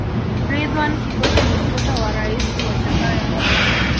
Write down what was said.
ridhwan kikwete ni mtoto wa raisi wa jakaya